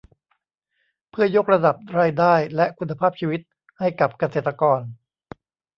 เพื่อยกระดับรายได้และคุณภาพชีวิตให้กับเกษตรกร